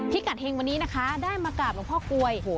พิกัสเห็งวันนี้นะคะได้มากับหลวงพ่อกว่า